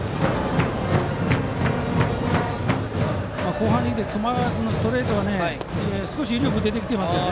ここにきて熊谷君のストレートが少し威力が出てきていますね。